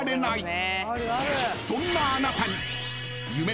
［そんなあなたに］